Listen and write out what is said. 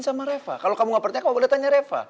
sama reva kalau kamu gak percaya kamu boleh tanya reva